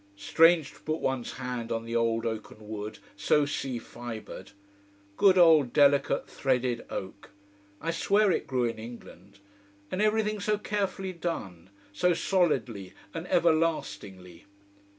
Strange to put one's hand on the old oaken wood, so sea fibred. Good old delicate threaded oak: I swear it grew in England. And everything so carefully done, so solidly and everlastingly.